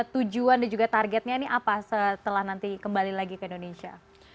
tujuan dan juga targetnya ini apa setelah nanti kembali lagi ke indonesia